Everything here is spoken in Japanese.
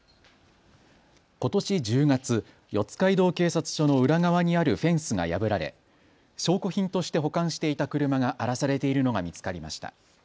ことし１０月、四街道警察署の裏側にあるフェンスが破られ証拠品として保管していた車が荒らされているのが見つかりました。